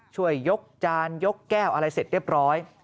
ช่วยยกจานยกแก้วอะไรเสร็จเรียบร้อย